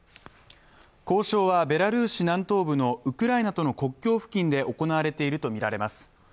交渉はベラルーシ南東部のウクライナとの国境付近で行われているとみられます。